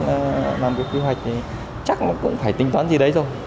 nó làm cái quy hoạch thì chắc nó cũng phải tính toán gì đấy rồi